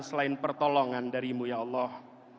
selain pertolongan dari mu ya allah